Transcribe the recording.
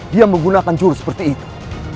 dia menggunakan juru seperti itu